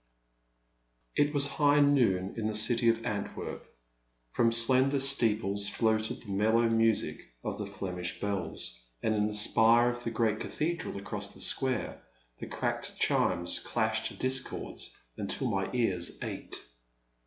IT was high noon in the city of Antwerp. From slender steeples floated the mellow music of the Flemish bells, and in the spire of the great cathedral across the square the cracked chimes clashed discords until my ears ached.